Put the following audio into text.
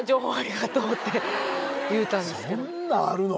そんなんあるの。